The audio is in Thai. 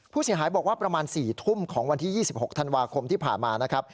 ผู้เสียหายบอกว่าประมาณ๔ทุ่มของวันที่๒๖ธันวาคมที่ผ่านมานะครับ